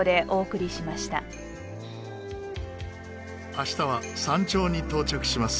明日は山頂に到着します。